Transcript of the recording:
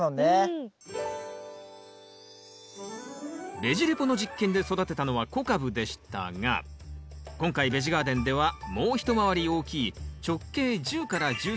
「ベジ・レポ」の実験で育てたのは小カブでしたが今回ベジガーデンではもう一回り大きい直径１０１３ｃｍの中カブを育てます。